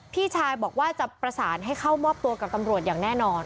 พี่ชายบอกว่าจะประสานให้เข้ามอบตัวกับตำรวจอย่างแน่นอน